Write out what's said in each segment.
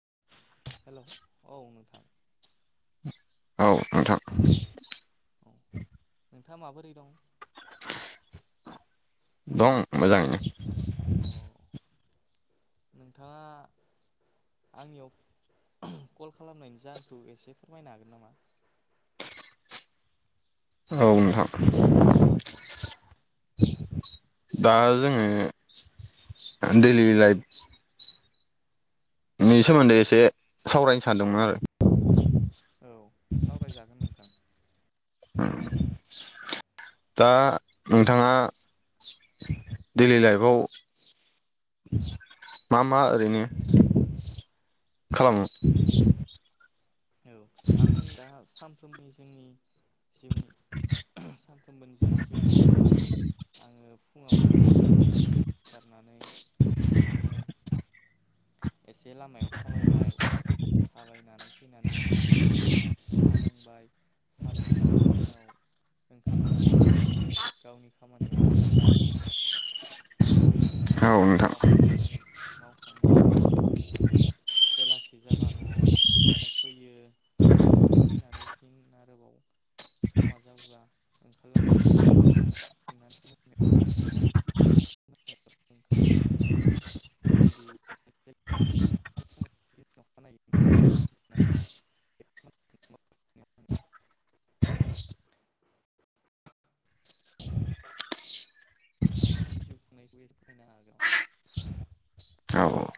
[inaudible] हेल औ नोंथां। औ नोंथां। औ नोंथाङा माबोरै दं? दं मोजाङैनो। औ [inaudible] नोंथाङा आंनियाव कल खालामनायनि जाहोनखौ एसे फोरमायनो हागोन नामा? औ नोंथां। औ दा जोङो दैलि लाइफ नि सोमोन्दै एसे सावरायनो सानदोंमोन आरो। औ सावरायजागोन नोंथां। दा नोंथाङा डैलि लाइफआव मा मा ओरैनो खालामो औ आं दा सान फ्रोमनि जोंनि जिउनि सानफ्रोमबोनि जोंनि जिउ खुंनायाव आङो फुङावनो सिखारबाय सिखार नानै बिदिनो एसे लामायाव थाबायबाय थाबायनानै फैनानै साहा लोंना साहा लोंबाय साहा लोंखांनायनि उनाव ओंखाम जानानै आङो गावनि खामानियाव ओंखारलाङो। बिदिनो औ नोंथां मावखांनानै मावखांनानै बेलासि जाबा न'आव ओंखाम जानो फैयो। ओंखाम जानो फैनानै फिन आरोबाव समा जाब्ला ओंखारलांफिन [inaudible] सानफ्रोमबो जिउ खुंनायखौ एसे फोरमायनो हागोन नामा? औ औ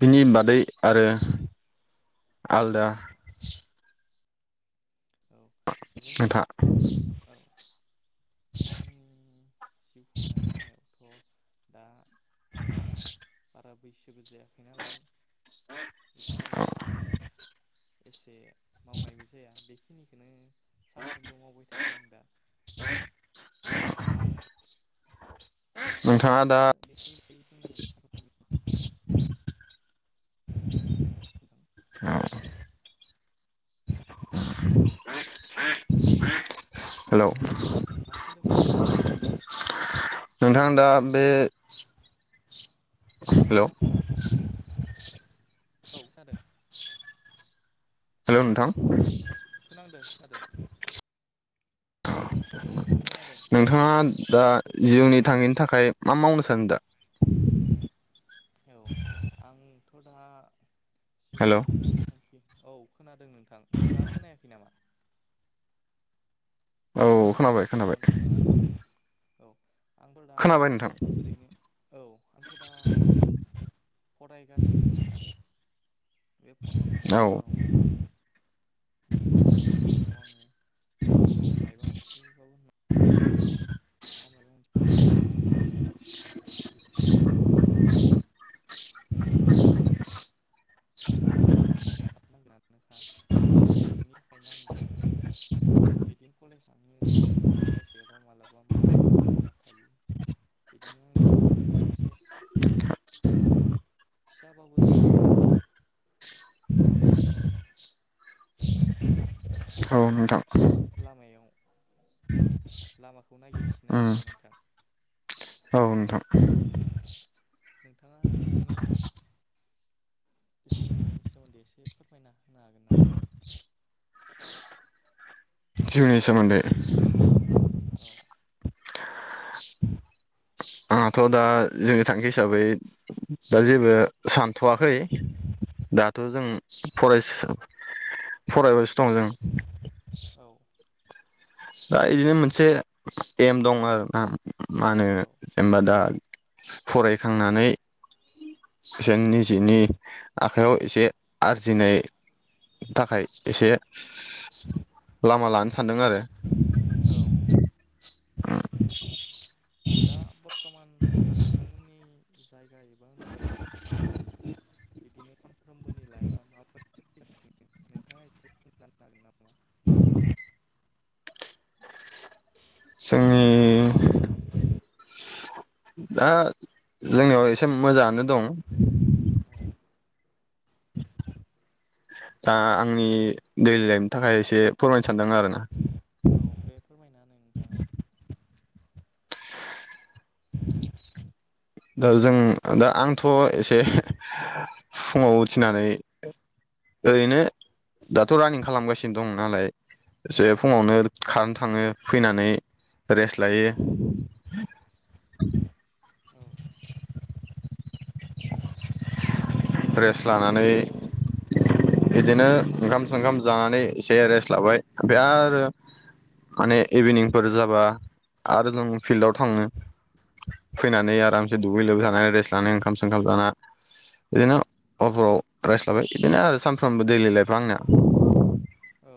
बिनि बादै आरो आलदा औ जोंनि नोंथां औ जोंनि जिउ खुंनाय लामायावथ' दा [inaudible] थाखा बैसोबो जा नालाय बिदिनो एसे मावनायबो जाया बेखि खिनिखौनो सानफ्रोमबो मावबाय थायो आं दा। [inaudible] नोंथाङा दा आरो बेनि बागै जोंनि [inaudible] औ। हेलौ हेलौ मा होनदोंमोन नोंथाङा नोंथाङा दा बे हेलौ औ खोनादों हेलौ नोंथां खोनादों खोनादों खोनादों नोंथाङा दा जिउनि थाङिनि थाखाय मा मावनो सानो दा? औ आं थ'दा हेलौ जिउनि थांखि औ। खोनादों दों नोंथां नोंथाङा खोनायाखै नामा? औ खोनाबाय खोनायाखै नामा खोनाबाय। नोंथाङा औ आंथ' दा खोनाबाय नोंथां ओरैनो औ आंथ' दा फरायगासिनो नोंथां बे औ फरायखांनायनि उनाव आङो बे फरायखांनायनि उनाव आङो जिउआव मायबा मोनसे [unintelligible] [unintelligible] [unintelligible] बेनि थाखायनो आं दा बिदिनो कलेज [unintelligible] कलेज गैयाबा मालाबा [unintelligible] मा माबा मावना थायो बिदिनो आं जिउआव माबा मोनसे फिसाबाबो गाव जिउ औ नोंथां। लामायाव लामाखौ नागिरफिनो उम आरोना नोंथां [unintelligible] औ नोंथां। नोंथाङा नोंथांनि जिउनि सोमोन्दै एसे फोरमायना होनो हागोन नामा? जिउनि सोमोनदै औ [unintelligible] आंहाथ' दा जिवनि थांखि हिसाबै दा जेबो सानथ'वाखै दाथ' औ जों फराय फरायबायसो दं जों। द औ [unintelligible] दा इदिनो मोनसे एम दं आरो ना मा होनो जेनबा दा फरायखांनानै जों औ निजेनि आखाइयाव एसे आरजिनाय थाखाय एसे लामा लानो सानदों आरो [inaudible] औ औ दा बर्थमान नोंथांमोननि जाय गायोबा ओनसोलाव बिदिनो सानफ्रोमबोनि लाइफआ माबाफोर फैगासिनो नोंथाङा एसे फोरमायनो हागोन नामा? जोंनि दा जोंनियाव एसे मोजाङानो दं। औ दा आंनि दैलि लाइफनि थाखाय एसे फोरमायनो सानदों आरोना औ बे फोरमायना हो नोंथाङा। [inaudible] दा जों दा आंथ'एसे फुङाव उथिनानै ओरैनो दाथ' रानिं खालामगासिनो दं नालाय एसे फुङावनो खारनो थाङो फैनानै रेस्ट लायो। औ रेस्ट लानानै बिदिनो ओंखाम संखाम जानानै एसे रेस्ट लाबाय ओमफाय आरो माने इभिनिंफोर औ जाबा आरो जों फिल्डआव थाङो फैनानै आरामसे औ दुगै लोबै जानानै रेस्ट लानाय ओं खाम सोंखाम जाना बिदिनो [unintelligible] रेस्ट लाबाय बिदिनो आरो सानफ्रोमबो दैलि लाइफआ आंनिया। औ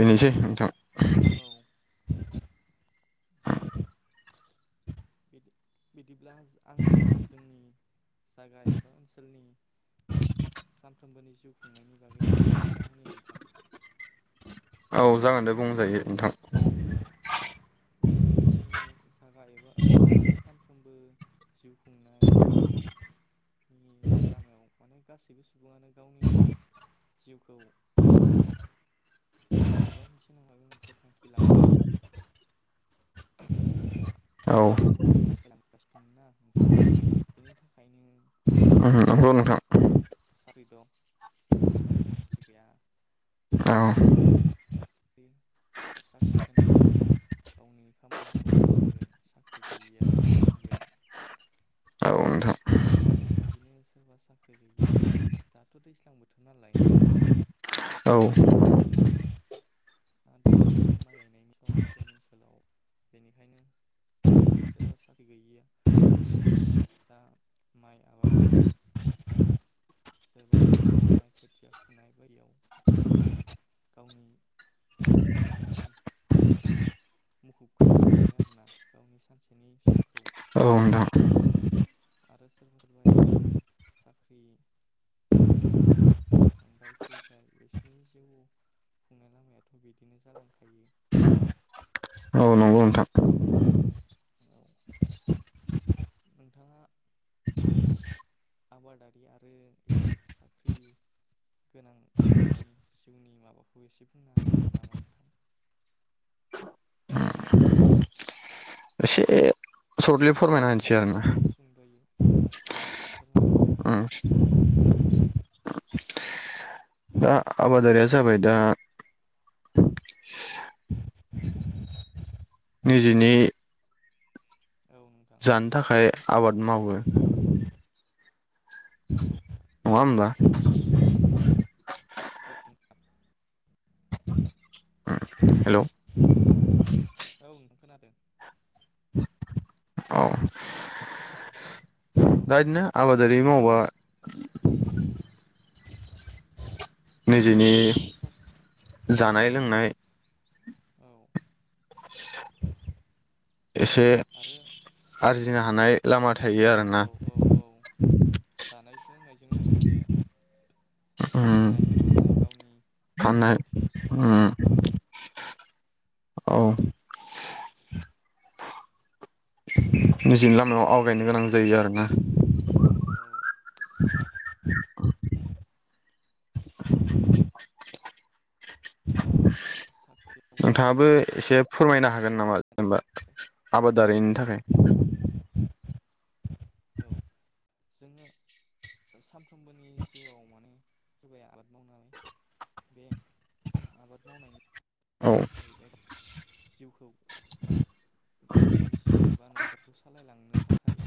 बेनोसै नोंथां। औ नोंथां बिदि बिदि बिदिब्ला आङो जोंनि जायगा एबा ओनसोलनि सानफ्रोमबोनि जिउ खुंनायनि बागै एसे बुंना होनि नोंथां औ जागोन दे बुंजायो नोंथां। औ जोंनि जागा एबा ओनसोलावथ' सानफ्रोमबो जिउ खुं ओ लामायाव माने गासैबो सुबुङानो गावनि जिउखौ मायाबा मोनसे नङा मायाबा मोनसे थांखि लानाथ' [unintelligible] औ आवगायलांगासिनो ना नोंथां बेनि थाखायनो खायसेया नंगौ सोरबा नोंथां सोरबाया साख्रि दं सोरबा सोरबाया साख्रि गैया औ बेनो साख्रि गोनाङाबो गावनि खामानिखौ मावनांगोन सा साख्रि गैयैयाबो मावनांगोन औ बिदिनो नोंथां बिदिनो सोरबा साख्रि गैयैया जेनेबा दाथ' दैज्लां बोथोर नालाय औ दा दैज्लां बोथोर माइ गायनायनि सम जोंनि ओनसोलाव बेनिखायनो सोरबा साख्रि गैयिया दा माइ आबाद गाय सोरबा खोथिया फोनाय खोथिया फुनाय बायदियाव गावनि सानसेनि माबाखौ मुखुब खालामना थायो आरोना गावनि सानसेनि सम खौ औ नोंथां आरो आरो सोरबा सोरबाया आरो साख्रि गोनांफोराथ' साख्रियाव थांबाय फैबाय बिसोरनि जिउ खुंनाय लामाया थ' बिदिनो जालांखायो। औ नंगौ नोंथां औ नोंथाङा आबादारि आरो बिदि साख्रि गोनां सुबुंनि जिउनि माबाखौ एसे बुंना होनो हागोन नामा नोंथां? एसे सर्टलि फोरमायना होनि सुंदयै औ सुंदयै फोरमायना हो उम नोंथां दा आबादारिया जाबाय दा [unintelligible] नैजिनै औ नोंथां जानो थाखाय आबाद मावो औ नङा होनबा औ उम हेलौ औ खोनादों औ दा इदिनो आबादारि मावबा नैजिनि खस जानाय औ लोंनाय औ [unintelligible] एसे आरो आरजिनो उम हानाय लामा थायो आरोना औ औ औ जानाय लोंनायजों लोगोसे उम फाननाय मानाय गावनि फाननाय गोनांथिखौ सुफुंनो उम थाखाय औ निजिनि लामायाव आवगायनो गोनां जायो आरो ना औ औ [unintelligible] सात नोंथाङाबो एसे फोरमायनो हागोन नामा जेनेबा आबादारिनि थाख खाय औ जोङो साम फ्रोमबोनि जिउआव माने सोरबाया आबाद मावनाय बे आबाद मावनायनि औ जाहैबाय जिउखौ गावनि जिउ एबा न'खरखौ सालायलांनो थाखाय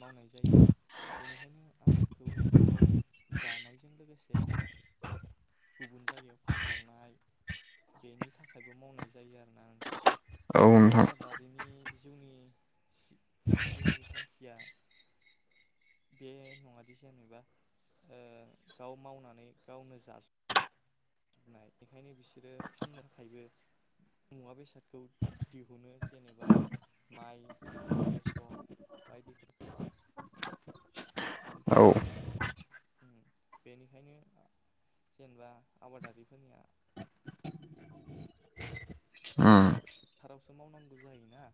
मावनाय जायो बेनिखायनो आबादखौ गाव जानायजों लोगोसे गुबुन जायगायाव फानहरनाय बेनि थाखायबो मावनाय जायो आरोना औ नोंथां नोंथां आबादारिनि जिउनि जिउनि थांखिया बे नङादि जेनेबा ओ गाव मावनानै गावनो जास नाय बिखायनो बिसोरो फाननो थाखायबो मुवा बेसादखौ दिहुनो जेनेबा माइ बेसर बायदिफोरखौ औ उम बेनिखायनो बेनिखायनो जेनेबा आबादारिफोरनिया फोथारावसो मावनांगौ जायोना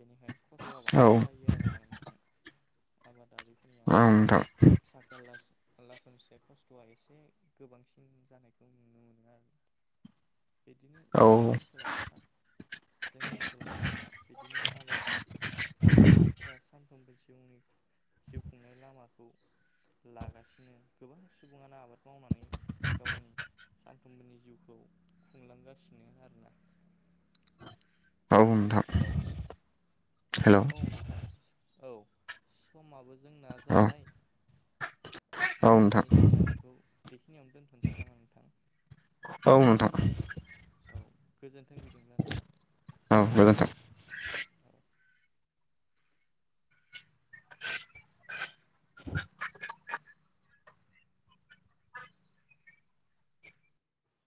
बेनिखाय खस्थआ औ बांसिन जायो आरो ना थ आबादारिफोरनिया नोंथां साख्रि आलास-आवलाफोरनिफ्राय खस्थआ एसे गोबांसिन जानायखौ नुनो मोनो आरो बिदिनो औ जोंनि ओनसोलावथ दा जोंनि ओनसोलावथ दा बिदिनो आबाद दोनो मानसिफोरा सानफ्रोमबो जिउनि जिउ खुंनाय लामाखौ लागासिनो गोबां सुबुङानो आबाद मावनानै गावनि सानफ्रोमबोनि जिउखौ खुंलांगासिनो आरोना औ नोंथां। हेलौ। हेल' औ नोंथां औ समाबो जोंना औ जाबाय औ नोंथां दिनैनि सावरायनायखौ बेखिनियावनो दोन्थसै नामा नोंथां। औ नोंथां औ गोजोन्थों बिदिब्ला औ गोजोन्थों नोंथां औ।